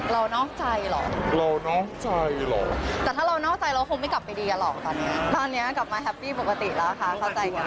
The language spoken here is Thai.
นอกใจเหรอเรานอกใจเหรอแต่ถ้าเรานอกใจเราคงไม่กลับไปดีอ่ะหรอกตอนนี้ตอนเนี้ยกลับมาแฮปปี้ปกติแล้วคะเข้าใจไง